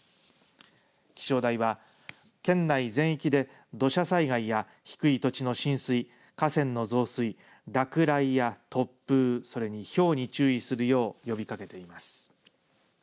気象台は、県内全域で土砂災害や低い土地の浸水河川の増水、落雷や、突風それにひょうに注意するよう呼びかけています。